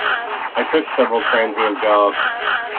I took several transient jobs.